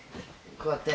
こうやって。